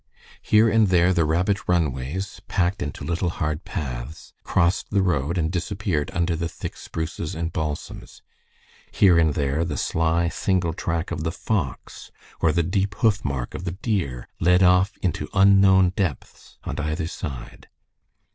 Here and there the rabbit runways, packed into hard little paths, crossed the road and disappeared under the thick spruces and balsams; here and there, the sly, single track of the fox, or the deep hoof mark of the deer, led off into unknown depths on either side.